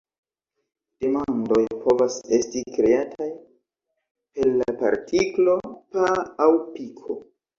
Demandoj povas esti kreataj per la partiklo -"pa" aŭ "piko".